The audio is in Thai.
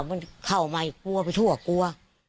มันเข้ามาอีกกลัวไปทั่วกลัว